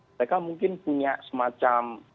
mereka mungkin punya semacam